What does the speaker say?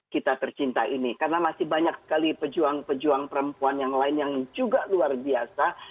kita tercinta ini karena masih banyak sekali pejuang pejuang perempuan yang lain yang juga luar biasa